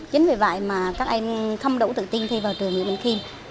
chính vì vậy mà các em không đủ tự tin thi vào trường nguyễn bình khiêm